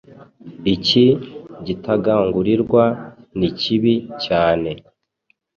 iki gitagangurirwa nikibi cyane